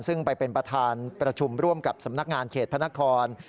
ซึ่งไปเป็นประธานประชุมร่วมกับสำนักงานเขตพระนคร